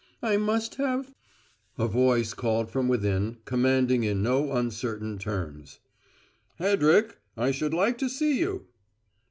I must have " A voice called from within, commanding in no, uncertain tones. "Hedrick! I should like to see you!"